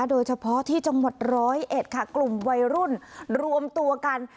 โดยเฉพาะที่จังหวัดร้อยเอ็ดค่ะกลุ่มวัยรุ่นรวมตัวกัน